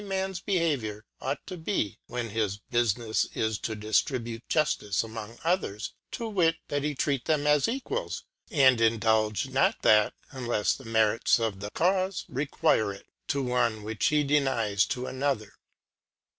Man's behaviour ought to be, when his bufinefs ^* ought to is to diftrihute Juftice among others ; to wit, '^^^^ that he treat them as Equals, and indulge not that^ aBJufiice unlefs the Merits of the Caufe require it^ to one^ in dlfirU which he denies to another.